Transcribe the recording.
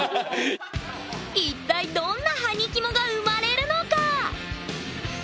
一体どんなはにキモが生まれるのか？